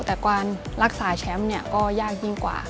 แต่กว่ารักษาแชมป์ก็ยากยิ่งกว่า